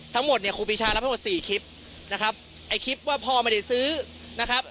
ทั้งหมดเนี่ยครูปีชารับทั้งหมดสี่คลิปนะครับไอ้คลิปว่าพ่อไม่ได้ซื้อนะครับ